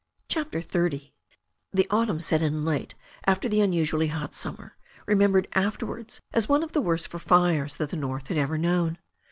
CHAPTER XXX THE autumn set in late after the unusually hot sum mer, remembered afterwards as one of the worst for fires that the north had ever known.